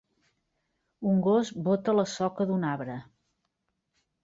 Un gos bota la soca d'un arbre.